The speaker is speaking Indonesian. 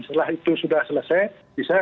setelah itu sudah selesai bisa